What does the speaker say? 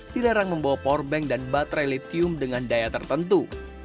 dilarang membawa powerbank dan baterai litium dengan daya tertentu